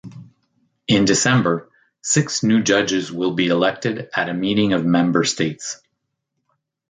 In December, six new judges will be elected at a meeting of Member States.